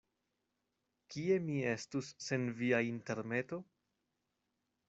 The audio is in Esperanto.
Kie mi estus sen via intermeto?